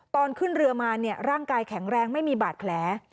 ตอนขึ้นเรือมาเนี่ยร่างกายแข็งแรงไม่มีบาดแผล